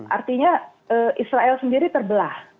artinya israel sendiri terbelah